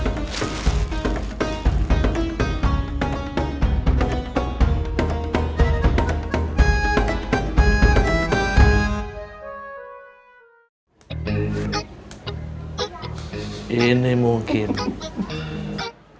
awalnya kenapa korun menimbun emasnya